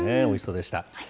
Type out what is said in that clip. おいしそうでした。